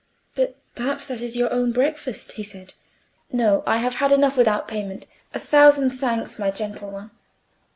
"But perhaps that is your own breakfast," he said. "No, I have had enough without payment. A thousand thanks, my gentle one."